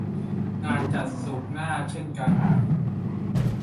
งานจัดศุกร์หน้าเช่นกัน